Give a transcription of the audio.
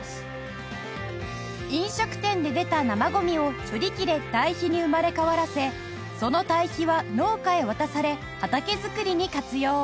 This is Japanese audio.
飲食店で出た生ゴミを処理機で堆肥に生まれ変わらせその堆肥は農家へ渡され畑作りに活用